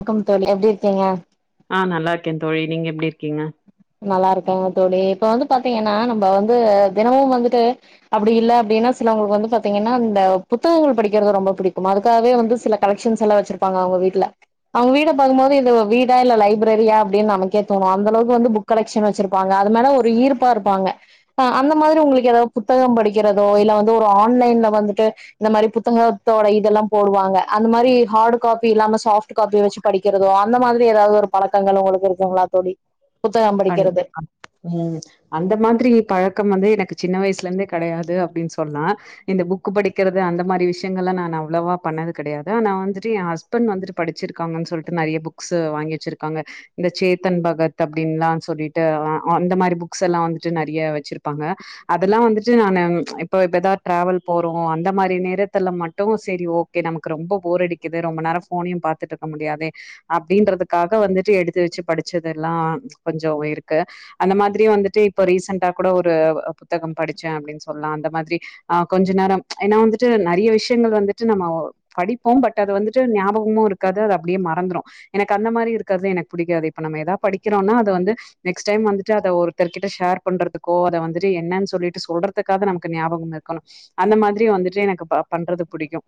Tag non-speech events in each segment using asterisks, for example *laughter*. வணக்கம் தோழி எப்டி இருக்கீங்க ஆ நல்லார்க்கே தோழி நீங்க எப்டி இருக்கீங்க நல்லாருக்கேங்க தோழி இப்ப வந்து பாத்திங்கனா நம்ப வந்து தினமு வந்துட்டு அப்டி இல்ல அப்டின்னா சிலவங்களுக்கு வந்து பாத்திங்கன்னா இந்த புத்தகங்கள் படிக்கிறது ரொம்ப புடிக்கும் அதுக்காகவே வந்து சில கலெக்ஷன் எல்லா வச்சிருப்பாங்க அவுங்க வீட்ல அவுங்க வீட பாக்கும்போது இது வீடா இல்ல லைப்ரரியா அப்டின்னு நமக்கே தோனு அந்தளவுக் வந்து புக் கலெக்ஷன் வச்சுருப்பாங்க அது மேல ஒரு ஈர்ப்பா இருப்பாங்க அ அந்த மாதிரி உங்களுக்கு ஏதாது புத்தகொ படிக்கிறதோ இல்ல வந்து ஒரு ஆன்லைன்ல வந்துட்டு இந்த மாரி புத்தகத்தோட இதெல்லா போடுவாங்க அந்த மாரி ஹார்டு காப்பி இல்லாம சாஃப்ட் டு காப்பி வச்சு படிக்கிறதோ அந்த மாரி ஏதாது ஒரு பழக்கங்கள் ஒங்களுக்கு இருக்குங்ளா தோழி புத்தகம் படிக்கிறது கண்டிப்பா ம் அந்த மாதிரி பழக்கம் வந்து எனக்கு சின்ன வயசுல இருந்தே கெடையாது அப்டின் சொன்னா இந்த புக்கு படிக்கிறது அந்த மாரி விஷ்யங்கள்லா நா அவ்ளவா பண்ணது கெடையாது நா வந்துட்டு ஏ ஹஸ் பன்ட் வந்துட்டு படுச்சிருக்காங்கன் சொல்ட்டு நெறைய புக்ஸ்ஸு வாங்கி வச்சிருக்காங்க இந்த சேத்தன் பகத் அப்டின்லா சொல்ட்டு அந்த மாரி புக்ஸ் எல்லா வந்துட்டு நெறைய வச்சிருப்பாங்க அதெல்லா வந்துட்டு நானூ இப்ப இப்பதா டிராவல் போறோ அந்த மாரி நேரத்துல மட்டும் சேரி ஓ கே நமக்கு ரொம்ப போர் அடிக்குது ரொம்ப நேரௌ ஃபோனையு பாத்துட்டு இருக்க முடியாது அப்டின்றதுக்காக வந்துட்டு எடுத்து வெச்சி படிச்சதெல்லா கொஞ்சோ இருக்கு அந்த மாதிரி வந்துட்டு இப்ப ரீசன்ட்டா கூட ஒரு புத்தகம் படிச்சே அப்டின் சொல்லா அந்த மாதிரி ஆ கொஞ்ச நேரம் ஏனா வந்துட்டு நெறைய விஷயங்கள் வந்துட்டு நம்ம படிப்போ பட் அது வந்துட்டு ஞாபகமு இருக்காது அது அப்டியே மறந்துடு எனக்கு அந்த மாரி இருக்கறது எனக்கு புடிக்காது இப்ப நம்ம ஏதாது படிக்கிறோனா அத வந்து நெக்ஸ்ட் டைம் வந்துட்டு அத ஒருத்தர்கிட்ட ஷேர் பண்றதுக்கோ அத வந்துட்டு என்னன்னு சொல்லிட்டு சொல்றதுக்காக நமக்கு ஞாபகம் இருக்கணு அந்த மாதிரி வந்துட்டு எனக்கு பண்றது புடிக்கு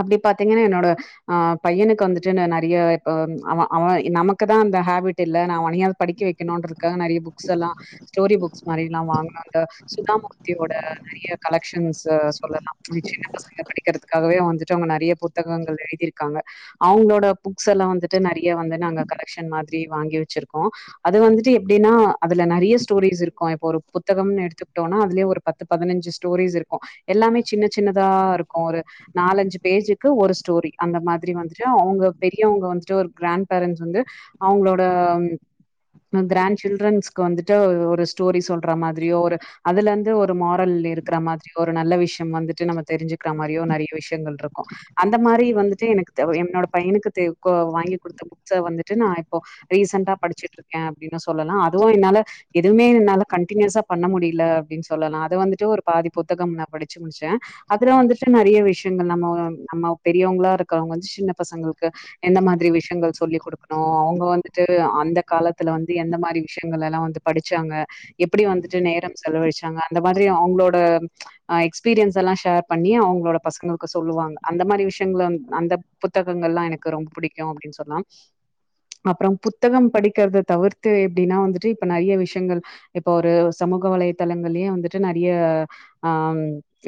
அப்டி பாத்தீங்கன்னா என்னோட ஆ பையனுக்கு வந்துட்டு நெறைய இப்ப அவே அவே நமக்கு தா அந்த ஹேபிட் இல்ல நா அவனையு படிக்க வெக்கணுன்றதுக்காக நெறைய புக்ஸ் எல்லா ஸ்டோரி புக்ஸ் மாரில்லா வாங்னோ அந்த சுதாமூர்த்தியோட நறைய கலெக்ஷன்ஸ் சொல்லல்லா சின்ன பசங்க படிக்கிறதுக்காகவே வந்துட்டு அவுங்க நெறைய புக் புத்தகங்கள் எழுதி இருக்காங்க அவுங்களோட புக்ஸ் எல்லா வந்துட்டு நெறைய வந்து நாங்க கலெக்ஷன் மாதிரி வாங்கி வெச்சிருக்கோ அது வந்துட்டு எப்டின்னா அதுல நறைய ஸ்டோரிஸ் இருக்கு இப்ப ஒரு புத்தகம்னு எடுத்துக்கிட்டோம்னா அதுலயே ஒரு பத்து பதினஞ்சி ஸ்டோரிஸ் இருக்கு எல்லாமே சின்ன சின்னதா இருக்கு ஒரு நாலஞ்சி பேஜிக்கு ஒரு ஸ்டோரி அந்த மாதிரி வந்துட்டு அவுங்க பெரியவங்க வந்துட்டு ஒரு கிராண்ட பேரண்ட்ஸ் வந்து அவுங்களோட அ ம் கிராண்ட் சில்ட்ரன்ஸ்க்கு வந்துட்டு ஒரு ஸ்டோரி சொல்ற மாதிரியோ ஒரு அதுல இருந்து ஒரு மாரல் இருக்கற மாதிரியோ ஒரு நல்ல விஷயம் வந்துட்டு நம்ம தெரிஞ்சிக்கிற மாதிரியோ நிறைய விஷயங்கள் இருக்கு அந்த மாரி வந்துட்டு எனக்கு த என்னோட பையனுக்கு தே கோ வாங்கி குடுத்த புக்ஸ வந்துட்டு நா இப்போ ரீசண்டா படிச்சிட்டு இருக்கே அப்டின்னு சொல்லலா அதுவு என்னால எதுவுமே என்னால கன்டின்யூசா பண்ண முடில அப்டின்னு சொல்லலா அது வந்துட்டு ஒரு பாதி புத்தகம் நா படிச்சி முடிச்சே அதுலா வந்துட்டு நறைய விஷயங்கள் நம்ம நம்ம பெரியவங்ளா இருக்கறவங்க வந்து சின்ன பசங்களுக்கு எந்த மாதிரி விஷயங்கள் சொல்லி் குடுக்கணு அவுங்க வந்துட்டு அந்த காலத்துல வந்து எந்த மாரி விஷயங்கள் எல்லா வந்து படிச்சாங்க எப்புடி வந்துட்டு நேரம் செலவழிச்சாங்க அந்த மாதிரி அவுங்களோட ஆ எக்ஸ்பீரியன்ஸ் எல்லா ஷேர் பண்ணி அவூங்களோட பசங்களுக்கு சொல்லுவாங்க அந்த மாரி விஷயங்கள அந்த புத்தகங்கள்லா எனக்கு ரொம்ப புடிக்கு அப்டின்னு சொல்லலா அப்றம் புத்தகம் படி இருக்கறத தவிர்த்து எப்டின்னா வந்துட்டு இப்ப நறைய விஷயங்கள் இப்போ ஒரு சமூக வலைதளங்கள்லையே வந்துட்டு நறைய ஆ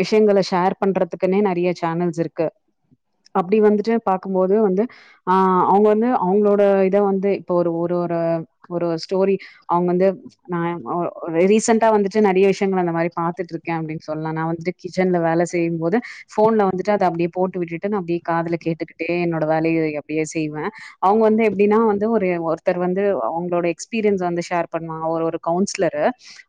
விஷயங்கள ஷேர் பண்றதுக்குன்னே நறைய சேனல்ஸ் இருக்கு அப்டி வந்துட்டு பாக்கும்போது வந்து ஆ அவுங்க வந்து அவுங்களோட இத வந்து இப்ப ஒரு ஒரு ஒரு ஒரு ஸ்டோரி அவுங்க வந்து நான் ஒ ஒ ரீசெண்டா வந்துட்டு நறைய விஷயங்கள் அந்த மாரி பாத்துட்டு இருக்கே அப்டின்னு சொல்லா நா வந்துட்டு கிச்சன்ல வேல செய்யும் போது ஃபோன்ல வந்துட்டு அத அப்டியே போட்டு விட்டுட்டு நா அப்டியே காதுல கேட்டுக்கிட்டே என்னோட வேலைய அப்டியே செய்வே அவுங்க வந்து எப்டின்னா வந்து ஒரு ஒரு ஒருத்தர் வந்து அவுங்களோட எக்ஸ்பீரியன்ஸ் வந்து ஷேர் பண்ணுவாங்க ஒரு ஒரு கவுன்சிலரு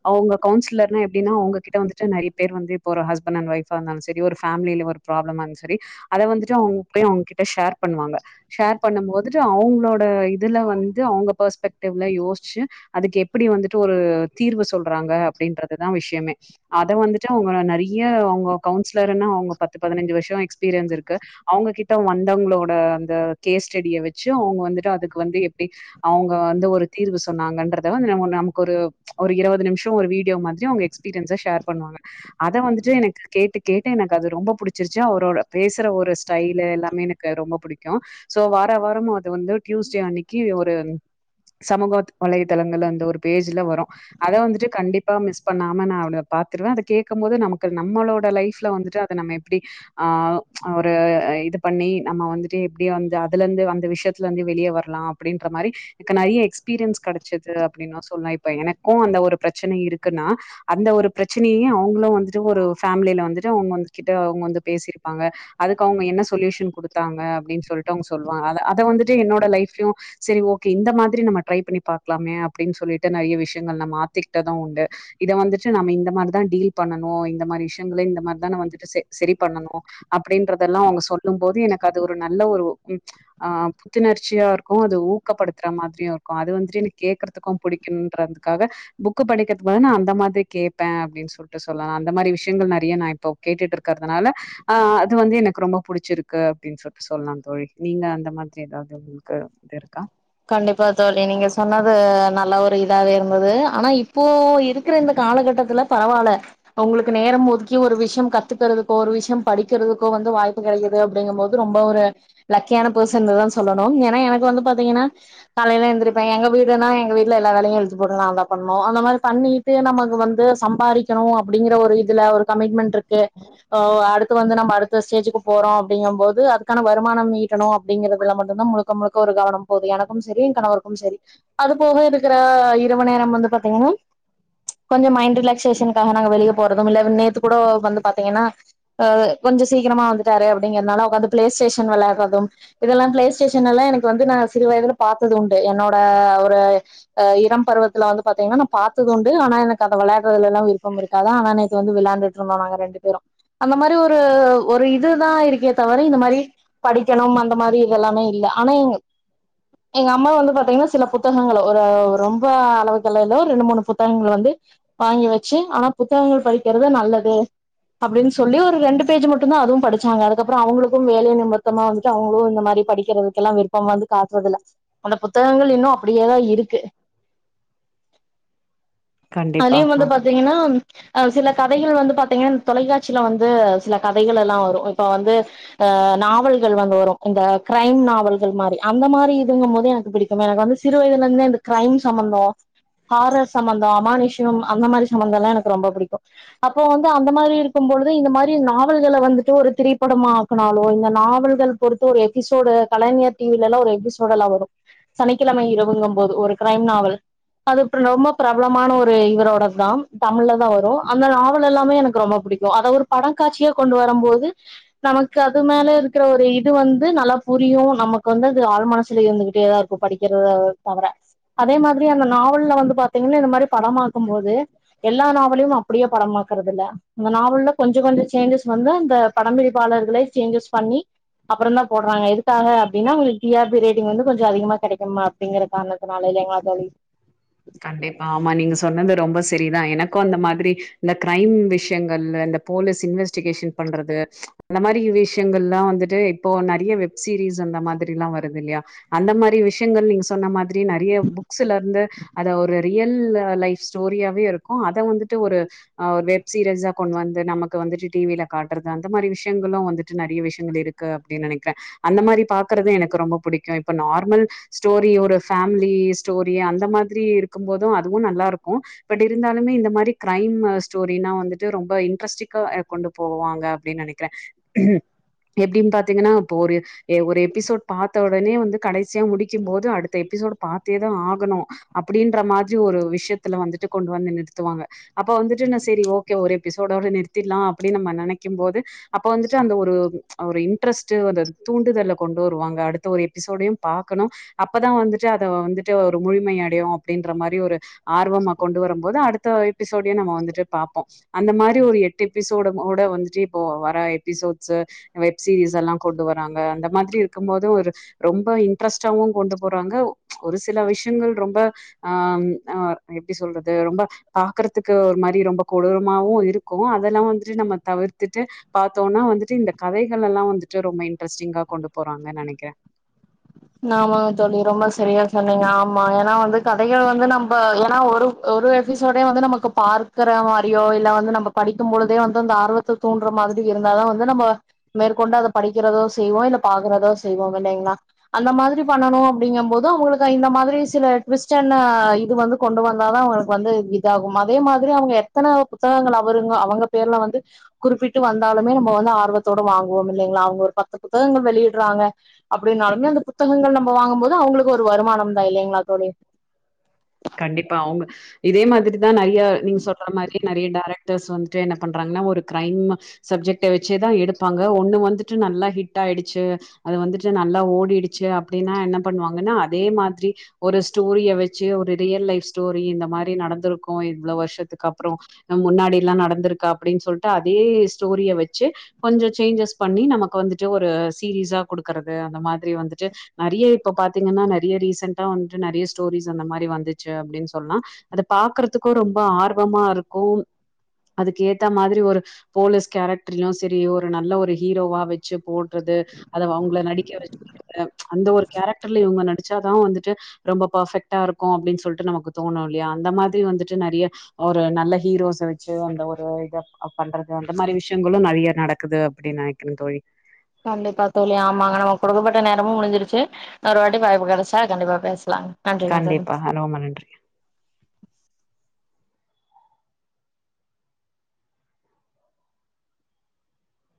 அவுங்க கவுன்சிலர்னா எப்டினா அங்ககிட்ட வந்துட்டு நெறைய பேர் வந்து இப்ப ஒரு ஹஸ்பெண்ட் அண்ட் வைஃப் இருந்தாலு செரி ஒரு ஃபேமிலில ஒரு ப்ராப்ளமா இருந் செரி அத வந்துட்டு அவுங்க போய் அவுங்ககிட்ட ஷேர் பண்ணுவாங்க ஷேர் பண்ணும் போதுட்டு அவுங்களோட இதுல வந்து அவுங்க பெர்ஸ்பெக்டிவ்ல யோஸ்சி அதுக்கு எப்படி வந்துட்டு ஒரு தீர்வு சொல்றாங்க அப்படின்றதுதா விஷியமே அத வந்துட்டு அவுங்க நெறிய அவுங்க கவுன்சிலருன்னா அவுங்க பத்து பதினஞ்சு வர்ஷோ எக்ஸ்பீரியன்ஸ் இருக்கு அவுங்க கிட்ட வந்தவங்ளோட அந்த கேஸ்டெடிய வெச்சு அவுங்க வந்துட்டு அதுக்கு வந்து எப்டி அவுங்க வந்து ஒரு தீர்வு சொன்னாங்கன்றத வந்து நம்ம நமக்கொரு ஒரு இருவது நிம்ஷோ ஒரு வீடியோ மாதிரி அவுங்க எக்ஸ்பீரியன்ஸ ஷேர் பண்ணுவாங்க அத வந்துட்டு எனக்கு கேட்டு கேட்டு எனக்கு அது ரொம்ப புடிச்சிருச்சு அவுரோட பேசுற ஒரு ஸ்டைலு எல்லாமே எனக் கு ரொம்ப புடிக்கு சோ வார வாரம் அது வந்து டியூஸ்டே அன்னிக்கு ஒரு சமூகத் வலைதளங்கள்ல அந்த ஒரு பேஜ்ஜுல வரு அத வந்துட்டு கண்டிப்பா மிஸ் பண்ணாம நா அவனத பாத்துருவே அத கேக்கம்போது நமக்கு நம்மளோட லைஃப்ல வந்துட்டு அ து நம்ம எப்படி ஆ ஒரு இது பண்ணி நம்ம வந்துட்டு எப்டி வந்து அதுலர்ந்து அந்த விஷியத்துலந்து வெளியே வர்லா அப்படின்றமாரி எனக் நெறிய எக்ஸ்பீரியன்ஸ் கடச்சிது அப்படின் நா சொல்லா இப்ப எனக்கு அந்த ஒரு ப்ரெச்சனை இருக்குன்னா அந்த ஒரு ப்ரச்சனியையு அவுங்ளு வந்துட்டு ஒரு ஃபேமில வந்துட்டு அவுங்க வந்து கிட்ட அவுங்க வந்து பேசிருப்பாங்க அதுக்கு அவுங்க என்ன சொல்யூஷன் குடுத்தாங்க அப்டின் சொல்ட்டு அவ்ங்க சொல்வாங்க அத அத வந்துட்டு என்னோட லைஃப்ல்யு செரி ஓகே இந்த மாதிரி நம்ம ட்ரை பண்ணி பாக்கலாமே அப்படின் சொல்லிட்டு நெறிய விஷ்யங்கள் நா மாத்திட்டது உண்டு இத வந்துட்டு நம்ம இந்த மாரிதா டீல் பண்ணணு இந்த மாரி விஷ்யங்கள இந்த மார்தா நா வந்துட்டு செ செரி பண்ணணு அப்படின்றதெல்லா அவுங்க சொல்லும் போது எனக்கு அது ஒரு நல்ல ஒரு ம் ஆ புத்துணர்ச்சியா இருக்கு அது ஊக்கப்படுத்துற மாத்ரியு இருக்கு அது வந்துட்டு எனக்கு கேக்குறதுக்கு புடிக்கும்ன்றதுக்காக புக்கு படிக்கிறதுக் பதிலா நா அந்த மாத்ரி கேப்பே அப்டின் சொல் ட்டு சொல்லலா அந்த மாரி விஷயங்கள் நறிய நா இப்போ கேட்டுட்ருக்கறதுனால ஆ அது வந்து எனக்கு ரொம்ப புடிச்சிருக்கு அப்டின் சொல்ட்டு சொல்லா தோழி நீங்க அந்த மாதிரி எதாவ்து உங்ளுக்கு இது இருக்கா கண்டிப்பா தோழி நீங்க சொன்னது நல்லா ஒரு இதாவே இருந்தது ஆனா இப்போ இருக்கிற இந்த காலகட்டத்துல பரவால உங்களுக்கு நேரம் ஒதுக்கி ஒரு விஷயம் கத்துக்கிறதுக்கோ ஒரு விஷயம் படிக்கிறதுக்கோ வந்து வாய்ப்பு கெடைக்கிற் து அப்படிங்கும் போது ரொம்ப ஒரு லக்கியான பேசன்னுதா சொல்லணு ஏனா எனக்கு வந்து பாத்தீங்கன்னா காலையில எந்திரிப்பே எங்க வீடுன்னா எங்க வீட்ல எல்லா வேலையு இழுத்து போட்டு நாந்தா பண்ணு அந்த மாரி பண்ணி ட்டு நமக்கு வந்து சம்பாறிக்கணு அப்படிங்கிற ஒரு இதுல ஒரு கமிட்மெண்ட்ருக் கு அ அடுத்து வந்து நம்ம அடுத்த ஸ்டேஜுக்கு போறோ அப்டிங்கம்போது அதுக் கான வருமானம் ஈட்டணு அப்டிங்கிறதுல மட்டுந்தான் முழுக்க முழுக்க ஒரு கவனம் போது எனக் கும் செரி என் கணவருக்கும் செரி அது போக இருக்கிற இரவு நேரம் வந்து பாத்தீங்கன்னா கொஞ்சோ மைண்ட் ரிலாக்சேஷனுக்காக நாங்க வெளியே போறதுமில்ல நேத்து கூட வந்து பாத்தீங்கன்னா ஆ கொஞ்சோ சீக்கிரமா வந்துட்டாரு அப்டிங்கிறனால உக்காந்து ப்ளே ஸ்டேஷன் விளாட்றதும் இதெல்லாம் ப்ளே ஸ்டேஷன் எல்லா எனக்கு வந்து நா சிறு வயதுல பாத்ததுண்டு என்னோட ஒரு ஓ இளம் பருவத்துல வந்து பாத்தீங்கன்னா நா பாத்ததுண்டு ஆனா எனக்கு அத வெளாட்றதுலெல்லா விருப்பம் இருக் காது ஆனா நேத்து வந்து விளாண்டுட்டுருந்தோ நாங்க ரெண்டு பேரு அந்த மாரி ஒரு ஒரு இதுதா இருக்கே தவிர இந்த மாரி படிக்கணும் அந்த மாரி இதெல்லாமே இல்ல ஆனா இங் எங்க அம்மாவு வந்து பாத்தீங்கன்னா சில புத்தகங்கள ஒரு ரொம்ப அளவுக்கெல்லா ஒரு ரெண்டு மூணு புத் தகங்கள் வந்து வாங்கி வெச்சு ஆனா புத்தகங்கள் படிக்கிறது நல்லது அப்படின் சொல்லி ஒரு ரெண்டு பேஜ் மட்டுந்தா அதுவு படிச்சாங்க அதுக்கப்புற அவுங்களுக்கும் வேலை நிமிர் சுத்தமா வந்துட்டு அவுங்களு இந்த மாரி படிக்கிறதுக்கெல்லா விருப்பம் வந்து காட்றதில்ல அந்த புத் தகங்கள் இன்னு அப்படியேதா இருக்கு கண்டிப்பா அத்லியும் ஆ வந்து பாத்தீங்கின்னா அ சில கதைகள் வந்து பாத்தீங்கன்னா இந்த தொலைக்காட்சியில வந்து சில கதைகள் எல்லா வரும் இப்ப வந்து அ நாவல்கள் வந்து வரும் இந்த கிரைம் நாவல்கள் மாரி அந்த மாரி தூங்கு போது எனக்கு புடிக்கு எனக்கு வந்து சிறு வயதுல இருந்தே இந்த கெரைம் சம்பந்தோ ஹாரர் சம்பந்தம் அமானுஷயம் அந்த மாரி சம்பந்தோ எல்லா எனக்கு ரொம்ப புடிக்கு அப்போ வந்து அந்த மாரி இருக்கும்பொழுது இந்த மாரி நாவல்கள வந்துட்டு ஒரு திரைப்படமா ஆக்குனால்லோ இந்த நாவல்கள் பொறுத்து ஒரு எபிசோடு கலைஞர் டி வி ல எல்லா ஒரு எபிசோடு எல்லா வரும் சனிக்கிழமை இரவுங்க போது ஒரு கெரைம் நாவல் அது இப்ப ரொம்ப பிரபலமான ஒரு இவரோட தான் தமிழ்ல தா வருஅந்த நாவல் எல்லாமே எனக்கு ரொம்ப புடிக் அத ஒரு பட காட்சியா கொண்டு வரபோது நமக்கு அது மேல இருக்கிற ஒரு இது வந்து நல்லா புரியு நமக்கு வந்து அது ஆழ் மனசு *unintelligible* இருந்துகிட்டேதா இருக்கு படிக்கிறத தவற அதே மாரி அந்த நாவல்ல வந்து பாத்தீங்கன்னா இந்த மாரி படமாக்கும்போது எல்லா நாவலையு அப்டியே படம்மாக்குறது இல்ல அந்த நாவல்லல கொஞ்சோ கொஞ்சோ சேஞ்சஸ் வந்து அந்த படம்பிடிப்பாளர்களே சேஞ்சஸ் பண்ணி அப்பறம் தா போடுறாங்க எதுக்காக அப்டினா உங்களுக்கு டி ஆர் பி ரேட் வந்து கொஞ்சோ அதிகமா கெடைக்குமா அப்டிங்கிற காரணத்தினால்ல இல்லங்களா தோழி கண்டிப்பா ஆமா நீங்க சொன்னது ரொம்ப சரிதா எனக்கும் அந்த மாதிரி இந்த கிரைம் விஷயங்கள்ல இந்த போலீஸ் இன்வெஸ்டிகேஷன் பண்றது அந்த மாரி விஷயங்கள் எல்லா வந்துட்டு இப்போ நெறைய வெப் சீரீஸ் அந்த மாதிரி எல்லா வருது இல்லையா அந்த மாதிரி விஷயங்கள் நீங்க சொன்ன மாதிரி நறைய புக்ஸ்ல இருந்து த ரியல் லைஃப் ஸ்டோரியாவே இருக்கு அத வந்துட்டு ஒரு அ ஒரு வெப் சீரீஸா கொண்டு வந்து நமக்கு வந்துட்டு டிவில காட்டுறது அந்த மாரி விஷயங்களும் வந்துட்டு நறைய விஷயங்கள் இருக்கு கு அப்டின்னு நெனைக்கிறே அந்த மாரி பாக்குறது எனக்கு ரொம்ப புடிக்கு இப்ப நார்மல் ஸ்டோரி ஒரு ஃபேமிலி ஸ்டோரி அந்த மாதிரி இருக்கும் போது அதுவு நல்லா இருக்கு பட் இருந்தாலுமே இந்த மாதிரி க்ரைம் ஸ்டோரினா வந்துட்டு ரொம்ப இன்ட்ரெஸ்டிக்கா கொண்டு போவாங்க அப்டின்னு நெனைக்கிறே எப்டின்னு பாத்தீங்கன்னா இப்போ ஒரு ஒரு எபிசோட் பாத்த உடனே வந்து கடைசியா முடிக்கும் போது அடுத்த எபிசோட் பாத்தே தா ஆகணு அப்டின்ற மாதிரி ஒரு விஷயத்துல வந்துட்டு கொண்டு வந்து நிறுத்துவாங்க அப்ப வந்துட்டு நா செரி ஓகே ஒரு எபிசோடோட நிறுத்திடலா அப்டினு நம்ம நெனைக்கு போது அப்ப வந்துட்டு அந்த ஒரு ஒரு இன்ட்ரெஸ்ட்டு அந்த தூண்டுதல கொண்டு வருவாங்க அடுத்த ஒரு எபிசோடையும் பாக்கணு அப்பதா வந்துட்டு அத வந்துட்டு ஒரு முழுமைய அப்டியே அப்டின்ற மாரி ஒரு ஆர்வம் மா கொண்டு வரு போது அடுத்த எபிசோடையு நம்ம வந்துட்டு பாப்போ அந்த மாரி ஒரு எட்டு எபிசோட ஓட வந்துட்டு இப்போ வர எபிசோட்ஸ்ச வெப் சீரிஸ் எல்லா கொண்டு வராங்க அந்த மாதிரி இருக்கு போது ஒரு ரொம்போ இன்ட்ரெஸ்ட்டாவு கொண்டு போறாங்க ஒரு சில விஷயங்கள் ரொம்ப அ ம் அ எப்டி சொல்றது ரொம்ப பாக்குறதுக்கு ஒரு மாரி ரொம்ப கொடூரமாவு இருக்கோ அதெல்லா வந்துட்டு நம்ம தவிர்த்துட்டு பாத்தோன்னா வந்துட்டு இந்த கதைகள்லல்லா வந்துட்டு ரொம்ப இன்டரஸ்டிங்கா கொண்டு போறாங்கனு நெனைக்கிறே ஆமாங்க தோழி ரொம்போ சரியா சொன்னீங்க ஆமா ஏனா வந்து கதைகள் வந்து நம்ப ஏனா ஒரு ஒரு எபிசோடே வந்து நமக்கு பார்க்கற மாரியோ இல்ல வந்து நம்ப படிக்கும் பொழுதே வந்து அந்த ஆர்வத்த தூன்ட்ற மாதிரி இருந்தாதா வந்து நம்போ மேற்கொண்டு அத படிக்கிறதோ செய்வோ இல்ல பாக்குறதோ செய்வோ *unintelligible* அந்த மாதிரி பண்ணனும் அப்டிங்கும் போது அவுங்களுக்கு இந்த மாதிரி சில ட்டுவிஸ்டன இது வந்து கொண்டு வந்தாதா அவுங்களுக்கு வந்து இது இதாகும் அதே மாதிரி அவுங்க எத்தன புத்தகங்கள் அவருங்க அவுங்க பேர்ல வந்து குறிப்பிட்டு வந்தாலுமே நம்ம வந்து ஆர்வத்தோட வாங்குவோம் இல்லைங்ளா அவுங்க ஒரு பத்து புத்தகங்கள் வெளியிற்றாங்க அப்டின்னாலுமே அந்த புத்தகங்கள் நம்ம வாங்கும்போது அவுங்களுக்கு ஒரு வருமானம் தா இல்லைங்ளா தோழி கண்டிப்பா அவுங் இதே மாதிரிதா நறையா நீங்க சொல்றா மாரி நறைய டேரக் டர்ஸ் வந்துட்டு என்ன பண்றாங்கனா ஒரு கிரைம் சப்ஜெக்டே வெச்சேதா எடுப்பாங்க ஒண்ணு வந்துட்டு நல்லா ஹிட் ஆயிடுச்சு அது வந்துட்டு நல்லா ஓடிடுச்சு அப்டினா என்ன பண்ணுவாங்னா அதே மாதிரி ஒரு ஸ்டோரிய வெச்சு ஒரு ரியல் லைஃப் ஸ்டோரி இந்த மாரி நடந்திருக்கோ இவ்ளோ வருஷத்துக்கு அப்றோ முன்னாடில்லா நடந்திருக்கா அப்டின் சொல்லிட்டு அதே ஸ்டோரிய வெச்சு கொஞ்சோ சேஞ்சஸ் பண்ணி நமக்கு வந்துட்டு ஒரு சீரிஸா குடுக்குறது அந்த மாதிரி வந்துட்டு நறைய இப்ப பாத்தீங்கன்னா நறைய ரீசன்டா வந்துட்டு நறைய ஸ்டோரிஸ் அந்த மாரி வந்துச் சு அப்டின் சொன்னா அத பாக்குறதுக்கூ ரொம்போ ஆர்வமா இருக்கூ அதுக்கேத்தா மாதிரி ஒரு போலீஸ் கேரட்ரியு செரி ஒரு நல்ல ஒரு ஹீரோவா வெச்சு போட் றது அத அவுங்ள நடிக்க வைக்கிறது அந்த ஒரு கேரக்டர்ல இவுங்க நடி ச்சாதா வந்துட்டு ரொம்ப பார்ஃபெக்டா இருக்கூ அப்டின் சொல்ட்டு நமக்கு தோணு இல்லியா அந்த மாதிரி வந்துட்டு நெறைய ஒரு நல்ல ஹீரோச வெச்சு அந்த ஒரு இத அப்பண்றது அந்த மாரி விஷயங்களு நெறைய நடக்குது அப்டின் நெனை கிற தோழி கண்டிப்பா தோழி ஆமாங்க நமக் குடுக்கப்பட்ட நேரமும் முடிஞ்சிருச்சு இன்னோரு வாட்டி வாய்ப்பு கடைச்சா கண்டிப்பா பேசலாங்க நன்றிங்க தோழி கண்டிப்பா அ ரொம்ப நன்றி